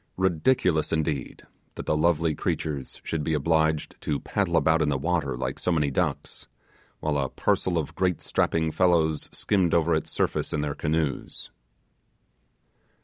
Ridiculous, indeed, that the lovely creatures should be obliged to paddle about in the water, like so many ducks, while a parcel of great strapping fellows skimmed over its surface in their canoes.